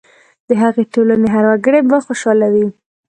د هغې ټولنې هر وګړی به خوشاله وي.